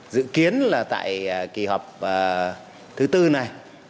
dự kiến tại kỳ họp thứ bốn này